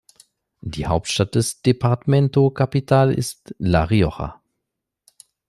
Die Hauptstadt des Departamento Capital ist La Rioja.